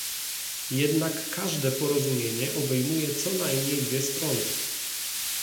Jednak każde porozumienie obejmuje co najmniej dwie strony